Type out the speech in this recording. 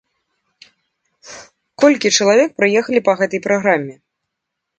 Колькі чалавек прыехалі па гэтай праграме?